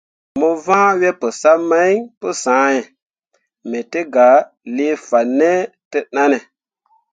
Mo vãã we pəsam mai pəsãhe, me tə a lee fan ne təʼnanne.